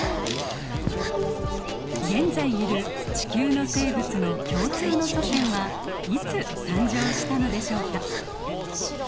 現在いる地球の生物の共通の祖先はいつ誕生したのでしょうか？